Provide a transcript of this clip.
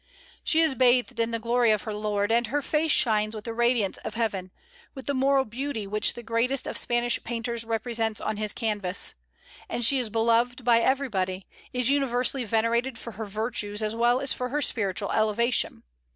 She is bathed in the glory of her Lord, and her face shines with the radiance of heaven, with the moral beauty which the greatest of Spanish painters represents on his canvas. And she is beloved by everybody, is universally venerated for her virtues as well as for her spiritual elevation.